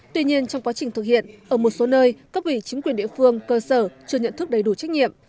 tuy nhiên trong quá trình thực hiện ở một số nơi các vị chính quyền địa phương cơ sở chưa nhận thức đầy đủ trách nhiệm